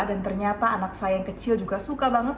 dan ternyata anak saya yang kecil juga suka banget